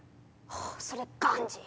あっそれガンジー。